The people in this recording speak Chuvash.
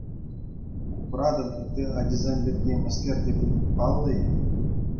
Купратӑн ытти ачисем пирки мӗскер те пулин паллӑ-и?